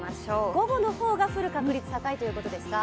午後の方が降る確率が高いということですか。